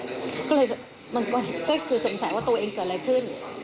ก็เลยมันก็คือสงสัยว่าตัวเองเกิดอะไรขึ้น